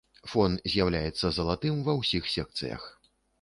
Фон з'яўляецца залатым ва ўсіх секцыях.